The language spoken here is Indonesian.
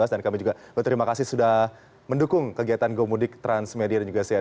dan kami juga berterima kasih sudah mendukung kegiatan gomudik transmedia jalan jalan